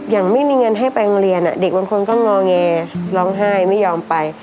อย่างไม่มีเงินให้ไปโรงเรียนเด็กบางคนก็งอแงร้องไห้ไม่ยอมไป